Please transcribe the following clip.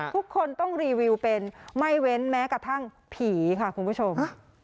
ทุกคนต้องรีวิวเป็นไม่เว้นแม้กระทั่งผีค่ะคุณผู้ชม